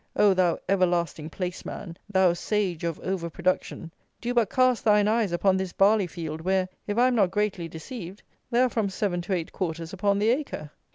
Oh, thou everlasting placeman! thou sage of 'over production,' do but cast thine eyes upon this barley field, where, if I am not greatly deceived, there are from seven to eight quarters upon the acre!